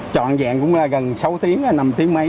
trọn dẹn cũng gần sáu tiếng năm tiếng mấy